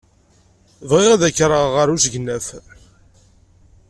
Bɣiɣ ad k-rreɣ ɣer usegnaf.